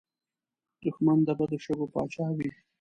دښمن د بد شګو پاچا وي